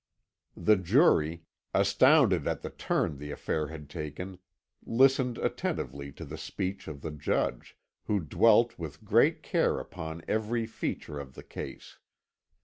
The jury, astounded at the turn the affair had taken, listened attentively to the speech of the judge, who dwelt with great care upon every feature in the case.